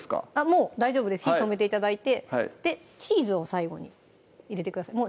もう大丈夫です火止めて頂いてチーズを最後に入れてください